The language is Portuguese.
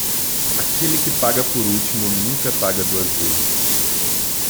Aquele que paga por último nunca paga duas vezes.